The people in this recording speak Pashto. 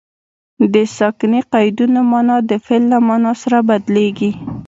د ساکني قیدونو مانا د فعل له مانا سره بدلیږي.